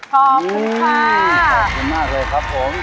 ขอบคุณค่ะ